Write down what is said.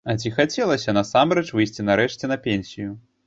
А ці хацелася насамрэч выйсці нарэшце на пенсію?